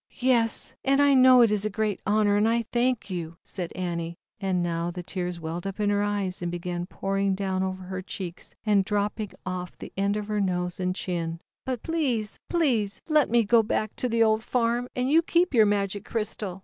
"Yes, I know it is a great honor, and I thank you," said Annie and now the tears welled up in her eyes, and began pouring down over her cheeks and dropping off the end of her nose and chin " but please, please, let me go 150 ZAUBERLINDA, THE WISE WITCH. back to the old farm, and you keep your Magic Crystal.